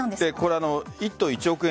１頭１億円